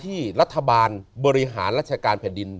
ที่รัฐบาลบริหารราชการแผ่นดิน